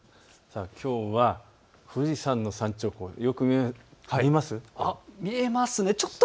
きょうは富士山の山頂、見えます？